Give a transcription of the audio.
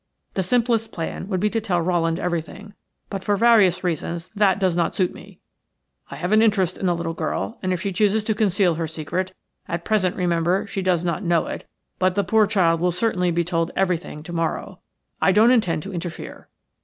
The simplest plan would be to tell Rowland everything, but for various reasons that does not suit me. I take an interest in the little girl, and if she chooses to conceal her secret (at present, remember, she does not know it, but the poor child will certainly be told everything to morrow) I don't intend to interfere.